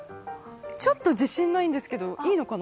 ちょっと自信ないんですけど、いいのかな。